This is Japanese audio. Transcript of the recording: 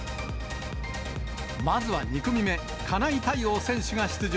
まずは２組目、金井大旺選手が出場。